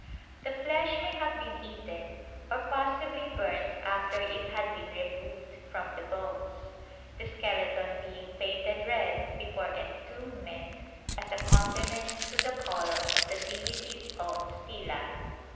The flesh may have been eaten or possibly burnt after it had been removed from the bones, the skeleton being painted red before entombment as a compliment to the colour of the deity's own stela.